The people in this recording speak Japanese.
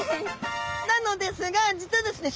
なのですが実はですね